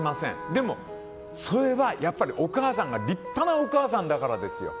でも、それはやっぱりお母さんが立派なお母さんだからですよ。